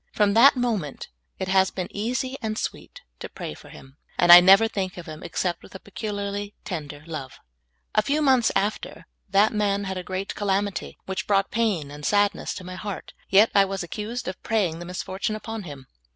From that moment it has been easy and sweet to pray for him, and I never think of him except with a pecul iarly tender love. A few months after, that man had a great calamity which brought pain and sadness to my heart ; yet I was accused of prajnng the misfortune upon him.